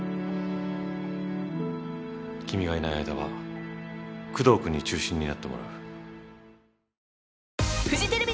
君がいない間は工藤君に中心になってもらう。